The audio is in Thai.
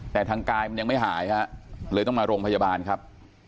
แต่ทางกายมันยังไม่หายฮะเลยต้องมาโรงพยาบาลครับ